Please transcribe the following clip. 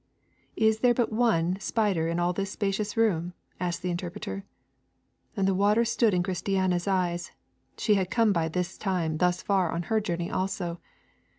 'Is there but one spider in all this spacious room?' asked the Interpreter. And the water stood in Christiana's eyes; she had come by this time thus far on her journey also.